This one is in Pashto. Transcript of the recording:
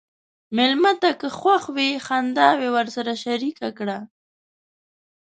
مېلمه ته که خوښ وي، خنداوې ورسره شریکه کړه.